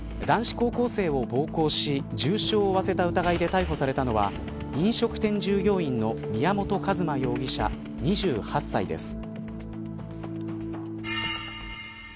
男子高校生を暴行し重傷を負わせた疑いで逮捕されたのは飲食店従業員の宮本一馬容疑者、２８歳です。